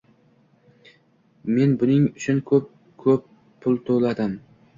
Men buning uchun eng ko'p pul to'ladim